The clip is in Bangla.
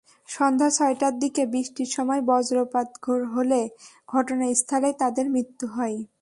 সন্ধ্যা ছয়টার দিকে বৃষ্টির সময় বজ্রপাত হলে ঘটনাস্থলেই তাঁদের মৃত্যু হয়।